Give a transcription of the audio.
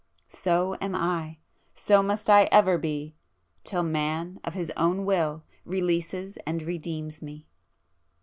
So am I,—so must I ever be,—till Man of his own will releases and redeems me.